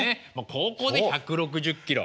高校で１６０キロ。